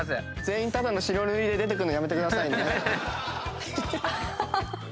全員ただの白塗りで出てくるのやめてくださいね。